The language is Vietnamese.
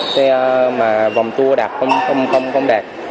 xe mà vòng tour đạt không đạt